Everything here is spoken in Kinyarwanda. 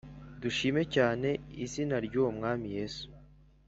Dushime cyane izina ryuwo mwami Yesu